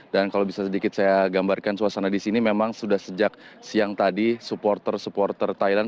dan kalau bisa sedikit saya gambarkan suasana di sini memang sudah sejak siang tadi supporter supporter thailand